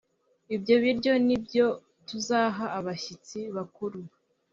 ibyo biryo nibyo tuzaha abashyitsi bakuru